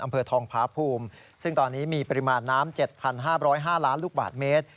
อำเภอทองผาภูมิซึ่งตอนนี้มีปริมาณน้ำ๗๕๐๕ล้านลูกบาทเมตร